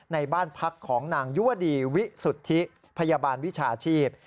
ในบ้านพักของนางยุวดีวิสุทธิพยาบาลวิชาชีพ